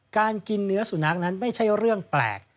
การกินเนื้อสุนัขนั้นไม่ใช่เรื่องแปลก